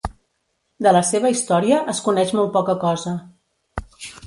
De la seva història es coneix molt poca cosa.